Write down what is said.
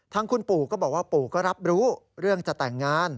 ทางคุณปู่ก็บอกว่าปู่ก็รับรู้เรื่องจะแต่งงาน